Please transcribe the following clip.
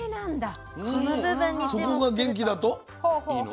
そこが元気だといいの？